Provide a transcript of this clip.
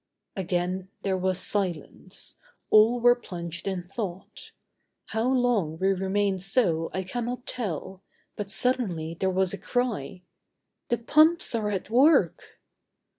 Again there was silence. All were plunged in thought. How long we remained so I cannot tell, but suddenly there was a cry; "The pumps are at work!"